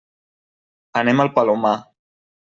Anem al Palomar.